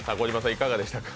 いかがでしたか。